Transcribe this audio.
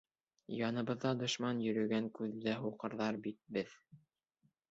Яныбыҙҙа дошман йөрөгән, күҙле һуҡырҙар бит бе-еҙ.